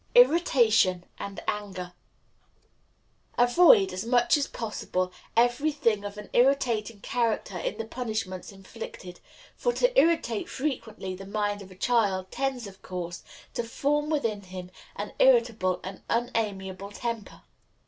Irritation and Anger. Avoid, as much as possible, every thing of an irritating character in the punishments inflicted, for to irritate frequently the mind of a child tends, of course, to form within him an irritable and unamiable temper.